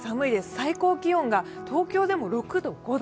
最高気温が東京でも６度、５度。